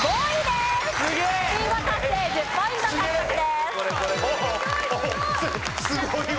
すすごいわ。